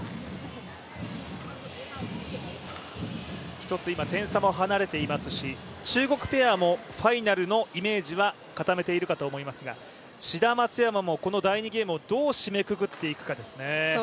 １つ、点差も離れていますし、中国ペアもファイナルのイメージは固めているかと思いますが志田・松山もこの第２ゲームをどう締めくくっていくかですね。